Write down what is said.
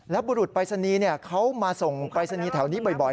แล้วบุรุษปลายศนีเขามาส่งปลายศนีแถวนี้บ่อย